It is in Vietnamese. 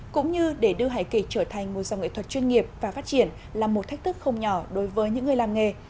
cũng như để đưa hải kỳ trở thành một dòng nghệ thuật chuyên nghiệp và phát triển là một thách thức không nhỏ đối với những người làm nghề